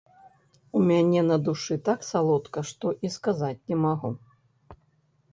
У мяне на душы так салодка, што і сказаць не магу.